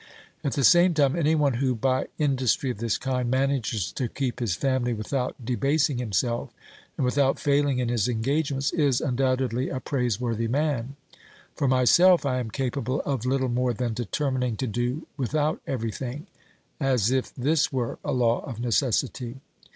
At the same time any one who, by in dustry of this kind, manages to keep his family without debas ing himself, and without failing in his engagements, is un doubtedly a praiseworthy man. For myself, I am capable of little more than determining to do without everything, as if this were a law of necessity.